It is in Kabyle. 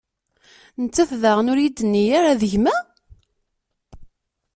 Nettat daɣen ur yi-d-tenni ara: D gma?